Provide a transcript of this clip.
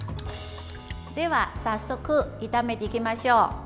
では早速、炒めていきましょう。